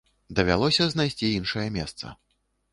Давялося знайсці іншае месца.